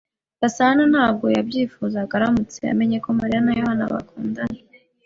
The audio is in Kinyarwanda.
Gasana ntabwo yabyifuza aramutse amenye ko Mariya na Yohana bakundana.